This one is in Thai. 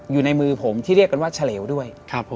อยู่ในมือผมที่เรียกกันว่าเฉลวด้วย